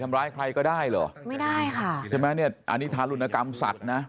มันพลาดไปแล้ว